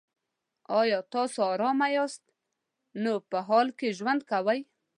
که تاسو ارامه یاست نو په حال کې ژوند کوئ.